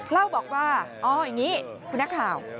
เล่าบอกว่าอ๋ออย่างนี้คุณนักข่าว